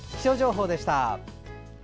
気象情報でした。